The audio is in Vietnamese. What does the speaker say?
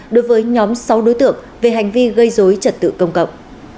đối với nhóm sáu đối tượng về hành vi gây dối trật tự công cộng